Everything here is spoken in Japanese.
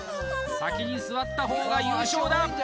先に座った方が優勝だ